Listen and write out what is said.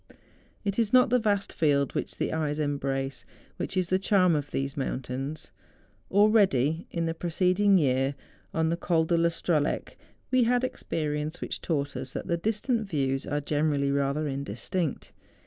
It is not the vast field which the eyes embrace which is the charm of these mountains. Already in the preceding year, on the Col de la Strahleck, we had had experience which taught us that distant \dews are generally rather indistinct.